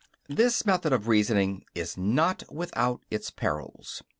This method of reasoning is not without its perils.